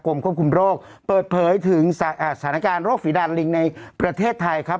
ควบคุมโรคเปิดเผยถึงสถานการณ์โรคฝีดานลิงในประเทศไทยครับ